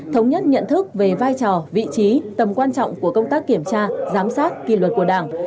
thống nhất nhận thức về vai trò vị trí tầm quan trọng của công tác kiểm tra giám sát kỳ luật của đảng